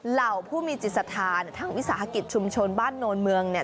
เหล่าผู้มีจิตสถานทางวิสาหกิจชุมชนบ้านโนนเมืองเนี่ย